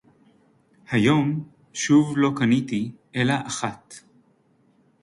היום שוב לא קניתי אלא אחת.